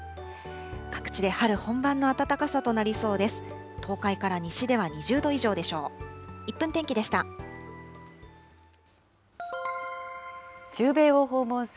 各地で春本番の暖かさとなりそうです。